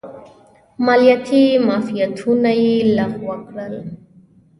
مالیاتي معافیتونه یې لغوه کړل.